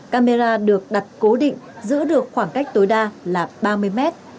camera được đặt cố định giữ được khoảng cách tối đa là ba mươi mét